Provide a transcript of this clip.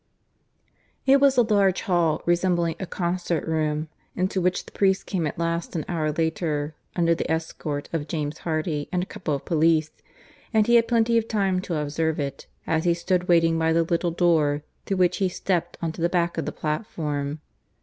(III) It was a large hall, resembling a concert room, into which the priest came at last, an hour later, under the escort of James Hardy and a couple of police, and he had plenty of time to observe it, as he stood waiting by the little door through which he stepped on to the back of the platform.